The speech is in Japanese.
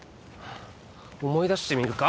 思い出してみるか？